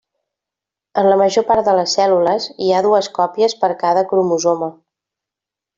En la major part de les cèl·lules hi ha dues còpies per cada cromosoma.